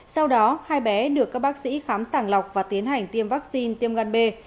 sau đó hai bé được các bác sĩ khám sàng lọc và tiến hành tiêm vaccine tiêm gan b